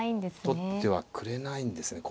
取ってはくれないんですね。